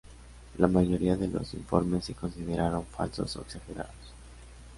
La mayoría de los informes se consideraron falsos o exagerados.